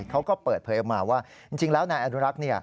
เขาก็เปิดเพลงมาว่าจริงแล้วนานุรักษณ์